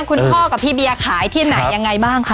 คุณพ่อกับพี่เบียร์ขายที่ไหนยังไงบ้างคะ